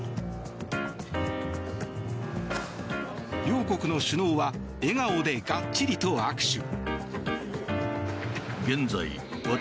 両国の首脳は笑顔でがっちりと握手。